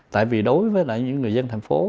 tại vì đối với những người dân thành phố